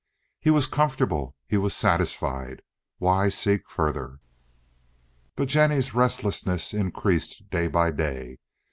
He was comfortable, he was satisfied—why seek further? But Jennie's restlessness increased day by day.